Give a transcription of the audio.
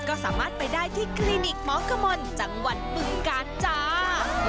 ก็สามารถไปได้ที่คลินิกหมอกมลจังหวัดบึงกาลจ้า